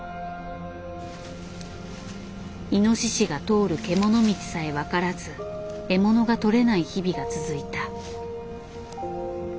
イノシシが通るけもの道さえ分からず獲物が捕れない日々が続いた。